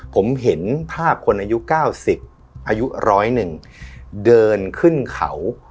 ผมเห็นภาพคนอายุ๙๐อายุ๑๐๑เดินขึ้นเขา